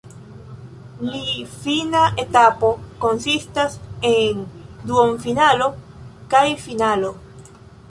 Li fina etapo konsistas el duonfinalo kaj finalo.